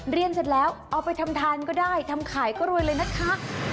เรียนเสร็จแล้วเอาไปทำทานก็ได้ทำขายก็รวยเลยนะคะ